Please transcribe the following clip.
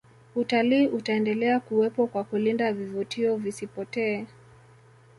utalii utaendelea kuwepo kwa kulinda vivutio visipotee